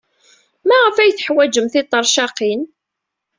Maɣef ay teḥwajem tiṭercaqin?